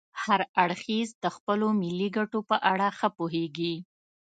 هر اړخ د خپلو ملي ګټو په اړه ښه پوهیږي